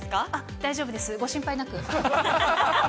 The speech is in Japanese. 大丈夫です、ご心配なく。